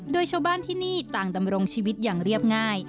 โดยชาวบ้านที่นี่ต่างดำรงชีวิตอย่างเรียบง่าย